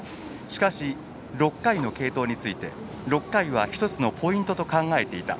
しかし、６回の継投について６回は１つのポイントと考えていた。